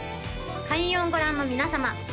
開運をご覧の皆様